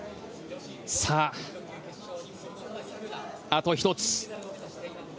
さあ、あと１つ。